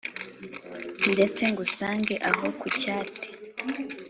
ndetse ngusange aho ku cyate